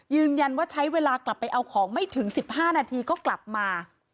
ยืนยันว่าใช้เวลากลับไปเอาของไม่ถึง๑๕นาทีก็กลับมา